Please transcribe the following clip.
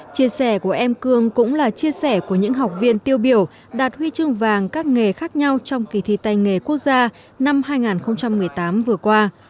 chia sẻ của em cương cũng là chia sẻ của những học viên tiêu biểu đạt huy chương vàng các nghề khác nhau trong kỳ thi tay nghề quốc gia năm hai nghìn một mươi tám vừa qua